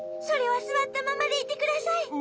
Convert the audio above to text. それはすわったままでいてください。